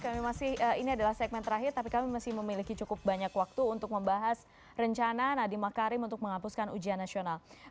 kami masih ini adalah segmen terakhir tapi kami masih memiliki cukup banyak waktu untuk membahas rencana nadiem makarim untuk menghapuskan ujian nasional